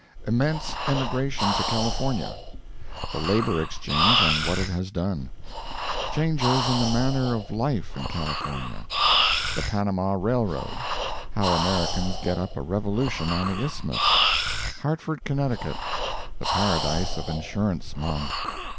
Immense Emigration to California—The Labor Exchange, and What It Has Done. Changes in the Manner of Life in California. The Panama Railroad—How Americans get up a Revolution on the Isthmus. Hartford, Conn.—The Paradise of Insurance Mon.